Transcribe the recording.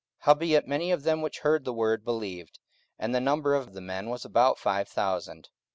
44:004:004 Howbeit many of them which heard the word believed; and the number of the men was about five thousand.